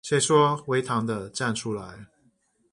誰說微糖的站出來